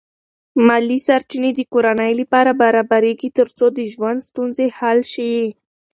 مالی سرچینې د کورنۍ لپاره برابرېږي ترڅو د ژوند ستونزې حل شي.